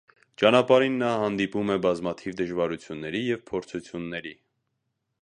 Ճանապարհին նա հանդիպում է բազմաթիվ դժվարությունների և փորձությունների։